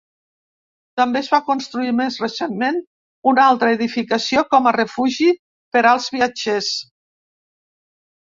També es va construir més recentment una altra edificació com a refugi per als viatgers.